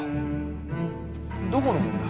どこのもんだ？